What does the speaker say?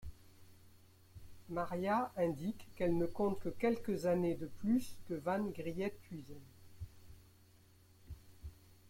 Maria indique qu'elle ne compte que quelques années de plus que Van Griethuysen.